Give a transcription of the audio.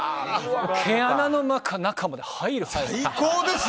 毛穴の中まで入るんです。